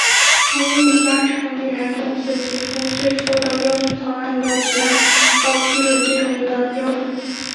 从一家成员公司提出最初的标准草案的提案到批准最终的标准。